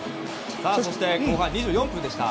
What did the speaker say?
そして後半２４分でした。